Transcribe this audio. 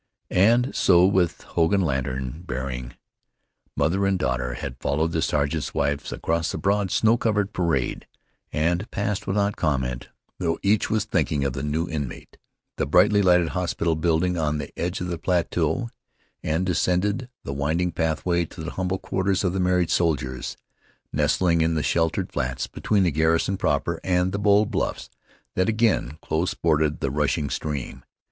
And so with Hogan, lantern bearing, mother and daughter had followed the sergeant's wife across the broad, snow covered parade; had passed without comment, though each was thinking of the new inmate, the brightly lighted hospital building on the edge of the plateau, and descended the winding pathway to the humble quarters of the married soldiers, nestling in the sheltered flats between the garrison proper and the bold bluffs that again close bordered the rushing stream.